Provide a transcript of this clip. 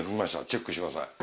チェックしてください。